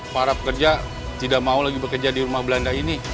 para pekerja tidak mau lagi bekerja di rumah belanda ini